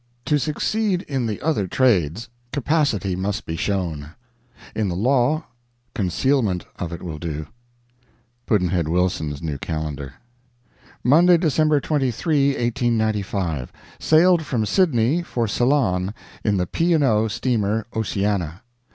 To succeed in the other trades, capacity must be shown; in the law, concealment of it will do. Pudd'nhead Wilson's New Calendar. MONDAY, December 23, 1895. Sailed from Sydney for Ceylon in the P. & O. steamer 'Oceana'.